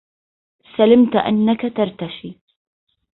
سلمت أنك ترتشي